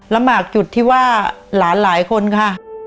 ลำบากจุดที่ว่าหลานหลายคนค่ะ